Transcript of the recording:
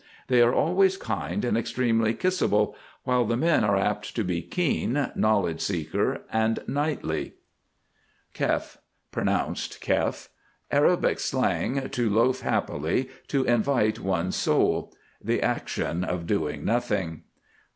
They are always Kind and extremely Kissable, while the men are apt to be Keen, Knowledge seeking, and Knightly. KHEF. (Pronounced keff.) Arabic slang, to loaf happily, to invite one's soul. The action of doing nothing.